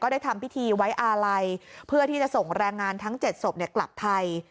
ได้ทำพิธีไว้อาลัยเพื่อที่จะส่งแรงงานทั้ง๗ศพกลับไทย